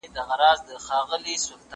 هغه وويل چي کار مهم دی!!